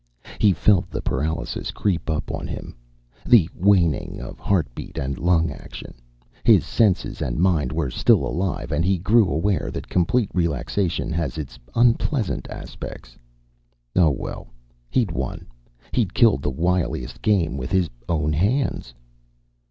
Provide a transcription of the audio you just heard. He felt the paralysis creep up on him, the waning of heartbeat and lung action. His senses and mind were still alive, and he grew aware that complete relaxation has its unpleasant aspects. Oh, well he'd won. He'd killed the wiliest game with his own hands.